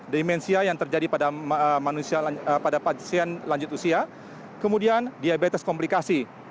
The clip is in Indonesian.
demensia yang terjadi pada pasien lanjut usia kemudian diabetes komplikasi